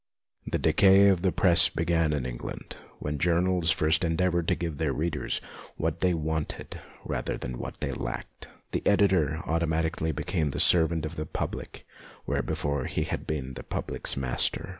The decay of the Press began in England when journals first endeavoured to give their readers what they wanted rather than what they lacked. The editor automatically became the servant of the public, where before he had been the public's master.